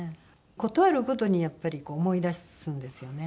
事あるごとにやっぱり思い出すんですよね。